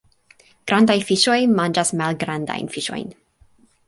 Grandaj fiŝoj manĝas malgrandajn fiŝojn.